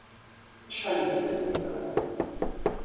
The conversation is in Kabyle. Acḥal ay yellan n yitran?